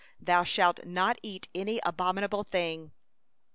3Thou shalt not eat any abominable thing.